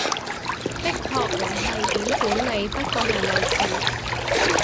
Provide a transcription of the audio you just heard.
的確唔係點管理，不過係類似